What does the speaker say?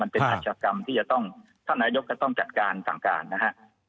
เป็นอาชกรรมที่จะต้องท่านนายกก็ต้องจัดการสั่งการนะฮะ